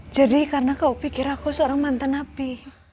jadi karena kau pikir aku seorang mantan api